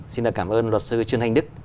xin được cảm ơn luật sư trương thanh đức